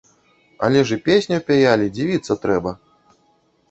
Але ж і песню пяялі, дзівіцца трэба.